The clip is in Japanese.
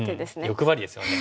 欲張りですよね。